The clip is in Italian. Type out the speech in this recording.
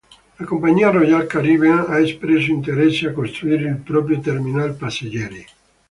La compagnia Royal Caribbean ha espresso interesse a costruire il proprio terminal passeggeri.